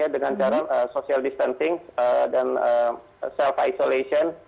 dengan cara social distancing dan selfi isolation